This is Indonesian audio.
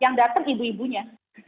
yang datang ibu ibunya